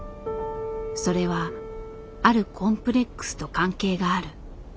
それはあるコンプレックスと関係がある。